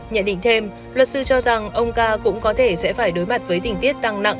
nhận định thêm luật sư cho rằng ông ca cũng có thể sẽ phải đối mặt với tình tiết tăng nặng